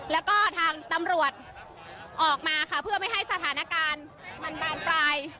แล้วก็ทางตำรวจออกมาค่ะเพื่อไม่ให้สถานการณ์มันบานปลาย